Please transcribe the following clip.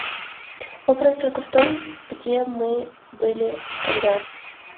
Вопрос только в том, где бы мы были тогда.